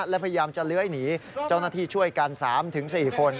และพยายามจะเลื้อยหนีเจ้าหน้าที่ช่วยกัน๓๔คน